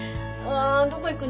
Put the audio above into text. どこ行く？